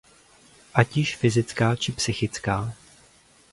Ať již fyzická či psychická.